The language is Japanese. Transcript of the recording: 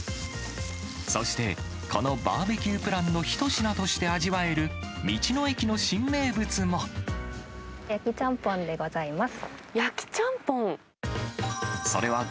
そしてこのバーベキュープランの一品として味わえる、道の駅の新焼きちゃんぽんでございます。